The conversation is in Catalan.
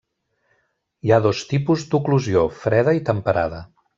Hi ha dos tipus d'oclusió: freda i temperada.